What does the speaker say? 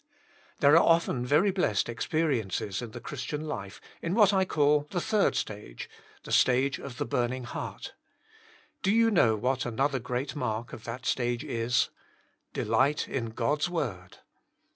There are often very blessed experi ences in the Christian life in what I call the third stage — the stage of the burning heart. Do you know what another great mark of that stage is? Delight in God's word.